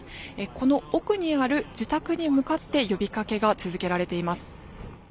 この奥にある自宅に向かって呼びかけが続けられています。